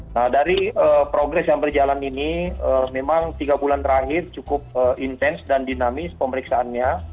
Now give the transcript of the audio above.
nah dari progres yang berjalan ini memang tiga bulan terakhir cukup intens dan dinamis pemeriksaannya